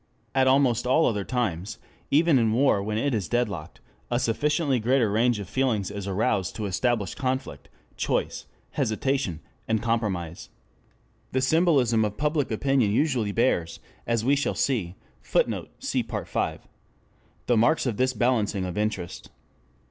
At almost all other times, and even in war when it is deadlocked, a sufficiently greater range of feelings is aroused to establish conflict, choice, hesitation, and compromise. The symbolism of public opinion usually bears, as we shall see, [Footnote: Part V.] the marks of this balancing of interest.